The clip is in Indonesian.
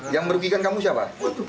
yang merugikan kamu siapa